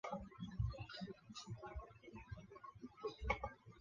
现在弘南铁道是日本最北端的私营电气铁路公司。